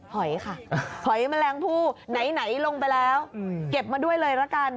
หอยค่ะหอยแมลงผู้ไหนลงไปแล้วเก็บมาด้วยเลยละกัน